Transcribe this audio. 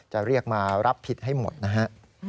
จะเรียกมารับผิดให้หมดนะฮะ